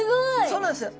そうなんですよ。